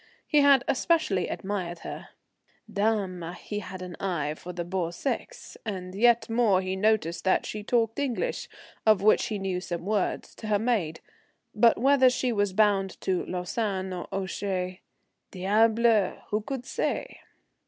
He had especially admired her; dame! he had an eye for the beau sexe; and yet more he noticed that she talked English, of which he knew some words, to her maid. But whether she was bound to Lausanne or Ouchy, "diable, who could say?"